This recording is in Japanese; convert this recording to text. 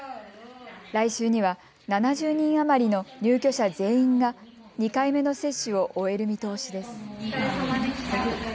来週には７０人余りの入居者全員が２回目の接種を終える見通しです。